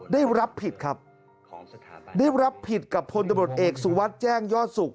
ได้รับผิดครับได้รับผิดกับพลตำรวจเอกสุวัสดิ์แจ้งยอดสุข